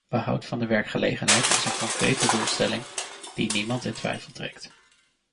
Behoud van de werkgelegenheid is een concrete doelstelling die niemand in twijfel trekt.